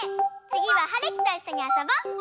つぎははるきといっしょにあそぼ！